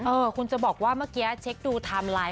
เออคุณจะบอกว่าเมื่อเกี๊ยวเช็คดูอะไร